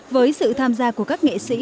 với sự tham gia của các nghệ sĩ